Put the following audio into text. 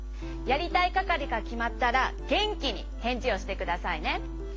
やりたいかかりがきまったらげんきにへんじをしてくださいね。